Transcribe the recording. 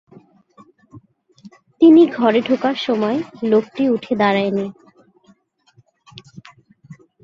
তিনি ঘরে ঢোকার সময় লোকটি উঠে দাঁড়ায় নি।